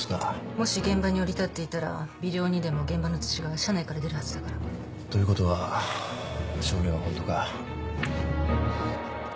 もし現場に降り立っていたら微量にでも現場の土が車内から出るはずだから。ということは証言はホントか。